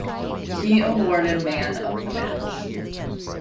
He awarded man of the match.